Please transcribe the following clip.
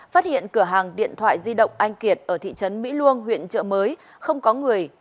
phát hiện cửa hàng điện thoại di động anh kiệt ở thị trấn mỹ luông huyện trợ mới không có người